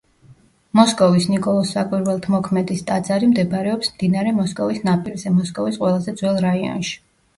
მოსკოვის ნიკოლოზ საკვირველთმოქმედის ტაძარი მდებარეობს მდინარე მოსკოვის ნაპირზე, მოსკოვის ყველაზე ძველ რაიონში.